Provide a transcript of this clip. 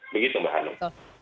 begitu mbak hanum